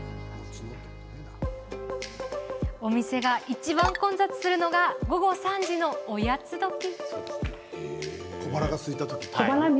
お店がいちばん混雑するのが午後３時のおやつどき。